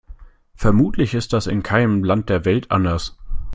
Vermutlich ist das in keinem Land der Welt anders.